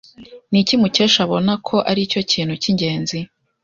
Niki Mukesha abona ko aricyo kintu cyingenzi?